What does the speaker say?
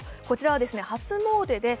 こちらは初詣で